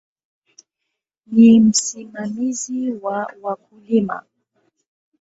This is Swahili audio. Ni msimamizi wa wakulima.